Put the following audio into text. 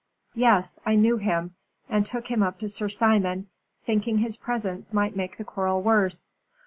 "Yes. I knew him, and took him up to Sir Simon, thinking his presence might make the quarrel worse.